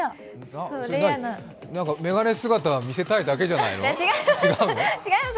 眼鏡姿、見せたいだけじゃないの？